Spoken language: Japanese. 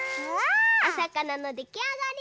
おさかなのできあがり！